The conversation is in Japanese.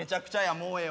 もうええわ。